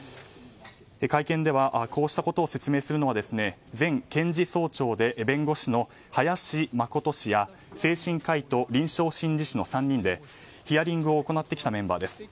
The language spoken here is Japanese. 会見ではこうしたことを説明するのが前検事総長で弁護士の林眞琴氏や精神科医と臨床心理士の２人でヒアリングを行ってきたメンバーです。